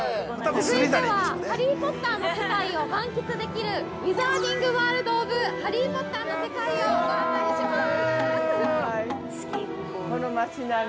◆続いては、ハリー・ポッターの世界を満喫できる「ウィザーディング・ワールド・オブ・ハリー・ポッター」の世界をご案内します。